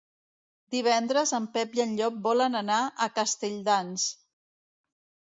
Divendres en Pep i en Llop volen anar a Castelldans.